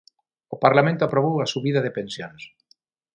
O Parlamento aprobou a subida de pensións .